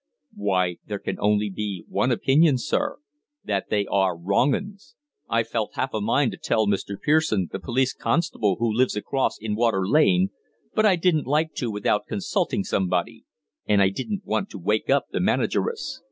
"Why, there can only be one opinion, sir that they are wrong 'uns. I felt half a mind to tell Mr. Pearson, the police constable who lives across in Water Lane, but I didn't like to without consulting somebody. And I didn't want to wake up the manageress."